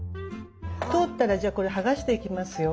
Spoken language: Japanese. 通ったらじゃあこれ剥がしていきますよ。